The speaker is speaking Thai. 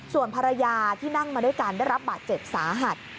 ส่วนภรรยาที่นั่งมาด้วยกันได้รับบาดเจ็บสาหัส